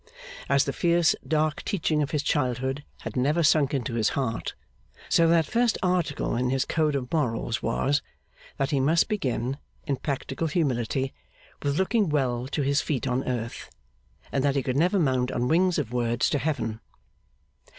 As the fierce dark teaching of his childhood had never sunk into his heart, so that first article in his code of morals was, that he must begin, in practical humility, with looking well to his feet on Earth, and that he could never mount on wings of words to Heaven.